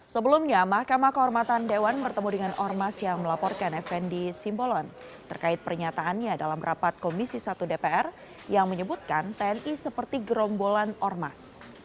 sebelumnya mahkamah kehormatan dewan bertemu dengan ormas yang melaporkan fnd simbolon terkait pernyataannya dalam rapat komisi satu dpr yang menyebutkan tni seperti gerombolan ormas